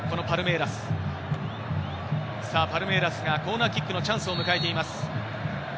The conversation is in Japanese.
パルメイラスがコーナーキックのチャンスを迎えています。